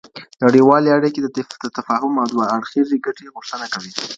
نړيوالي اړیکي د تفاهم او دوه اړخیزې ګټي غوښتنه کوي.